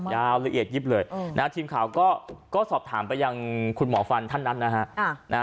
ยาวละเอียดยิบเลยนะฮะทีมข่าวก็สอบถามไปยังคุณหมอฟันท่านนั้นนะฮะ